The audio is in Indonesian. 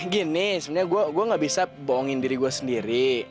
gini sebenernya gua gak bisa bohongin diri gua sendiri